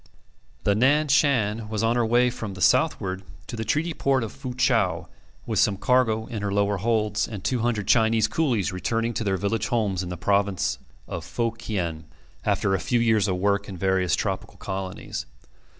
The Nan Shan was on her way from the southward to the treaty port of Fu chau, with some cargo in her lower holds, and two hundred Chinese coolies returning to their village homes in the province of Fo kien, after a few years of work in various tropical colonies.